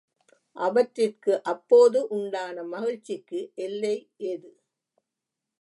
அவற்றிற்கு அப்போது உண்டான மகிழ்ச்சிக்கு எல்லை ஏது?